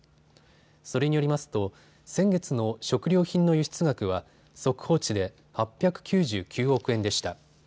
それによりますと先月の食料品の輸出額は速報値で８９９億円でした。